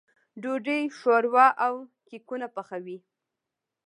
ډوډۍ، ښوروا او کيکونه پخوي.